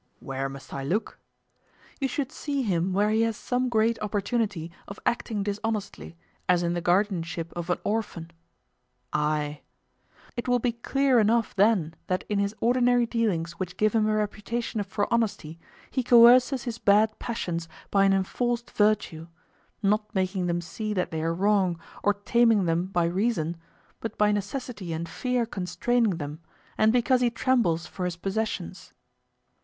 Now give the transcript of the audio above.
Where must I look? You should see him where he has some great opportunity of acting dishonestly, as in the guardianship of an orphan. Aye. It will be clear enough then that in his ordinary dealings which give him a reputation for honesty he coerces his bad passions by an enforced virtue; not making them see that they are wrong, or taming them by reason, but by necessity and fear constraining them, and because he trembles for his possessions.